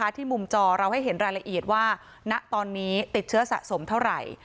ที่มุมจอเราให้เห็นรายละเอียดว่าณตอนนี้ติดเชื้อสะสมเท่าไหร่